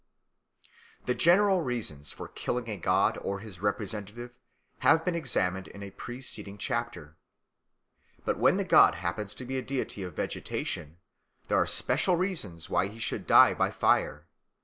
The general reasons for killing a god or his representative have been examined in a preceding chapter. But when the god happens to be a deity of vegetation, there are special reasons why he should die by fire.